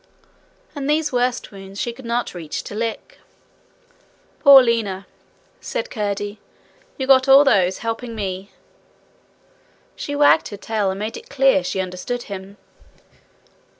And those worst wounds she could not reach to lick. 'Poor Lina!' said Curdie, 'you got all those helping me.' She wagged her tail, and made it clear she understood him.